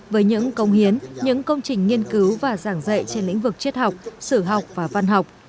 với những công hiến những công trình nghiên cứu và giảng dạy trên lĩnh vực triết học sử học và văn học